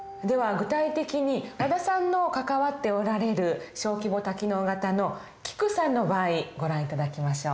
具体的に和田さんの関わっておられる小規模多機能型のキクさんの場合ご覧頂きましょう。